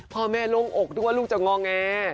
พ่อแม่ลงอกเผื่อลูกจะงองแอ